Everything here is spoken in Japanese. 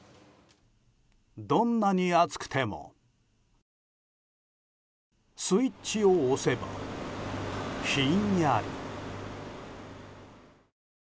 どんなに暑くてもスイッチを押せば、ひんやり。